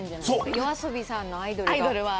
ＹＯＡＳＯＢＩさんのアイドル。